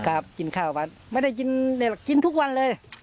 ครับจินข้าวมาไม่ได้จินจินทุกวันเลย